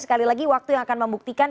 sekali lagi waktu yang akan membuktikan